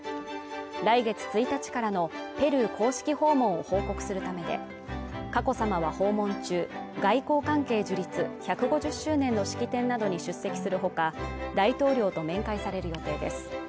来月１日からのペルー公式訪問を報告するためで佳子さまは訪問中外交関係樹立１５０周年の式典などに出席するほか大統領と面会される予定です